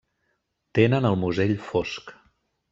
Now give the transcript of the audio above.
Tenen el musell fosc.